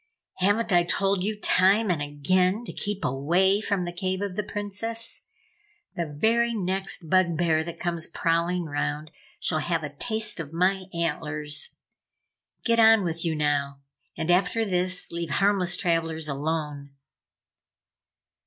Haven't I told you time and again to keep away from the cave of the Princess? The very next bug bear that comes prowling 'round shall have a taste of my antlers! Get on with you now, and after this leave harmless travellers alone!"